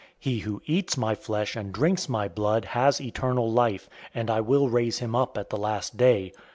006:054 He who eats my flesh and drinks my blood has eternal life, and I will raise him up at the last day.